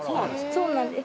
そうなんです